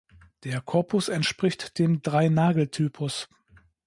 Der Korpus entspricht dem Dreinageltypus.